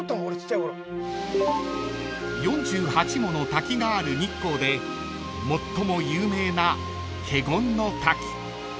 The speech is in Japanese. ［４８もの滝がある日光で最も有名な華厳の滝］